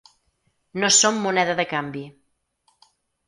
No som moneda de canvi.